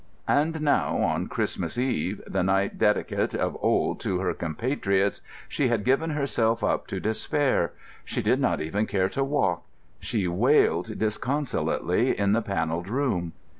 And now, on Christmas Eve, the night dedicate of old to her compatriots, she had given herself up to despair. She did not even care to walk. She wailed disconsolately in the Panelled Room.